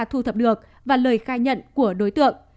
thu thập được và lời khai nhận của đối tượng